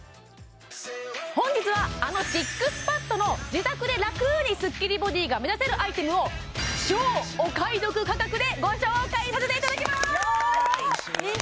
本日はあのＳＩＸＰＡＤの自宅で楽にスッキリボディが目指せるアイテムを超お買い得価格でご紹介させていただきます！